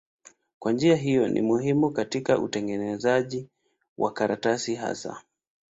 Kwa njia hiyo ni muhimu katika utengenezaji wa karatasi hasa.